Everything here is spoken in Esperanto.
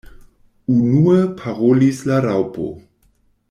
Unue parolis la Raŭpo.